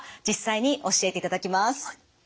実際に教えていただきます。